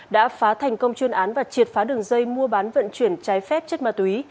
đã phá thành công chuyên án và triệt phá đường dây mua bán vận chuyển trái phép chất ma túy